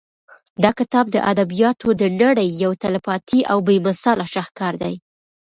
دا کتاب د ادبیاتو د نړۍ یو تلپاتې او بې مثاله شاهکار دی.